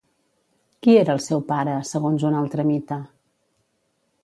Qui era el seu pare, segons un altre mite?